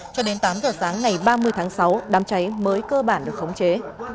cho đến tám giờ sáng ngày ba mươi tháng sáu đám cháy mới cơ bản được khống chế